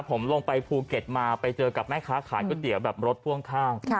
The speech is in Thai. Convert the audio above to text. ผมลงไปภูเก็ตมาไปเจอกับแม่ค้าขายก๋วยเตี๋ยวแบบรถพ่วงข้าง